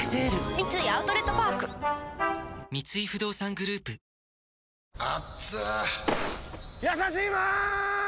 三井アウトレットパーク三井不動産グループやさしいマーン！！